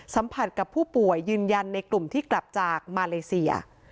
สัมผัสกับผู้ป่วยยืนยันในกลุ่มที่กลับจากมาเลเซีย